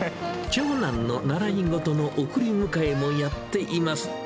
長男の習い事の送り迎えもやっています。